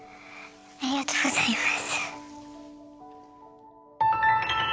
ありがとうございます。